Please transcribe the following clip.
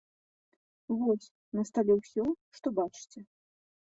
Вось, на стале ўсё, што бачыце.